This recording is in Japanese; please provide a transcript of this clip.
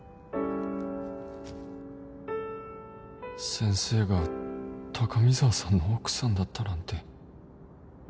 先生が高見沢さんの奥さんだったなんて